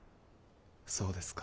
そうですか。